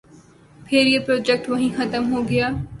پھر یہ پراجیکٹ وہیں ختم ہو گیا۔